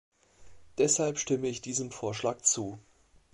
Deshalb stimme ich diesem Vorschlag zu.